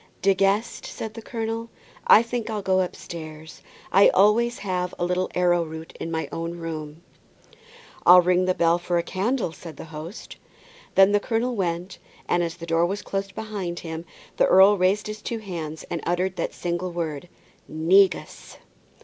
"De Guest," said the colonel, "I think I'll go upstairs; I always have a little arrowroot in my own room." "I'll ring the bell for a candle," said the host. Then the colonel went, and as the door was closed behind him, the earl raised his two hands and uttered that single word, "negus!"